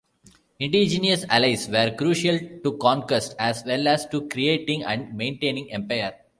Indigenous allies were crucial to conquest, as well as to creating and maintaining empire.